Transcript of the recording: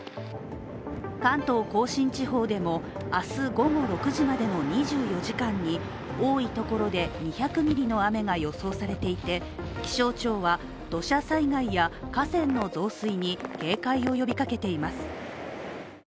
関東甲信地方でも明日午後６時までの２４時間に多いところで２００ｍｍの雨が予想されていて気象庁は土砂災害や河川の増水に警戒を呼びかけています。